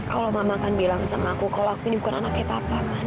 kalau mama kan bilang sama aku kalau aku ini bukan anak kayak papa man